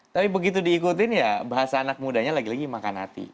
tapi begitu diikutin ya bahasa anak mudanya lagi lagi makan hati